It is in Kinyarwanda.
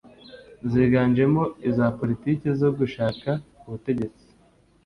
ziganjemo iza politiki zo gushaka ubutegetsi